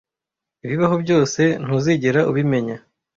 Ibibaho byose, ntuzigera ubimenya.